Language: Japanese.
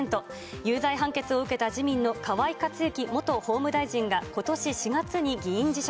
有罪判決を受けた自民の河井克行元法務大臣がことし４月に議員辞職。